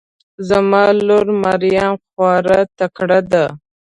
زما لور مريم خواره تکړه ده